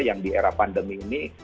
yang di era pandemi ini